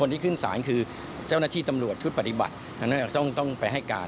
ทุกสัตว์ปฏิบัติโดยนะว่าต้องไปให้การ